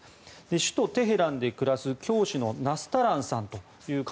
首都テヘランで暮らす教師のナスタランさんという方